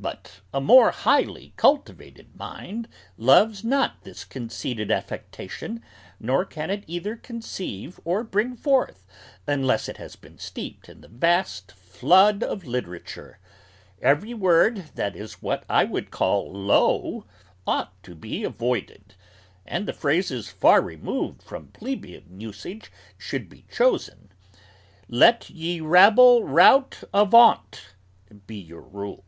But a more highly cultivated mind loves not this conceited affectation, nor can it either conceive or bring forth, unless it has been steeped in the vast flood of literature. Every word that is what I would call 'low,' ought to be avoided, and phrases far removed from plebeian usage should be chosen. Let 'Ye rabble rout avaunt,' be your rule.